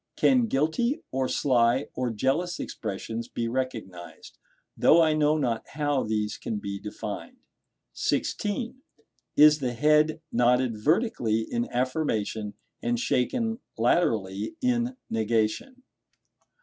Can guilty, or sly, or jealous expressions be recognized? though I know not how these can be defined. (16.) Is the head nodded vertically in affirmation, and shaken laterally in negation?